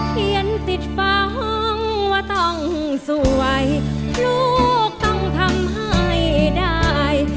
เพียงติดฟังว่าต้องสวยลูกต้องทำให้ได้